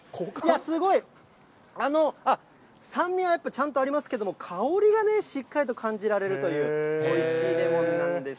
すごい、酸味がやっぱちゃんとありますけれども、香りがね、しっかりと感じられるという、おいしいレモンなんです。